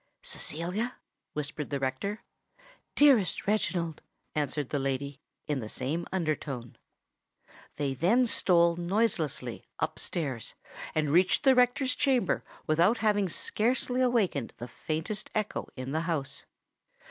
"Cecilia?" whispered the rector. "Dearest Reginald," answered the lady, in the same under tone. They then stole noiselessly up stairs, and reached the rector's chamber without having scarcely awakened the faintest echo in the house.